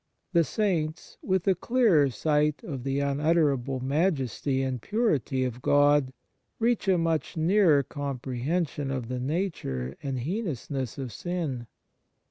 The Saints> with a clearer sight of the unutterable majesty and purity of God, reach a much nearer comprehension of the nature and heinousness of sin.